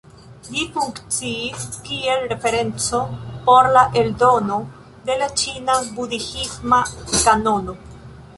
Ĝi funkciis kiel referenco por la eldono de la ĉina budhisma kanono.